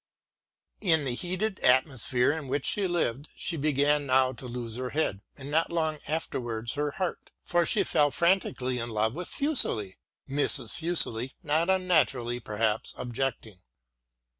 In the heated atmosphere in which she lived she began now to lose her head, and not long after wards her heart ; for she fell frantically in love with Fuseli, Mrs. Fuseli, not unnaturally perhaps, objecting.